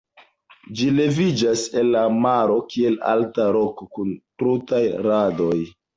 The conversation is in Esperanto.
Ĝi leviĝas el la maro kiel alta roko kun krutaj randoj.